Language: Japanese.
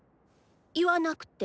言わなくて。